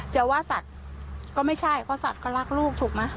แต่ว่าสัตวก็ไม่ใช่เพราะสัตวก็รักลูกถูกมั้ย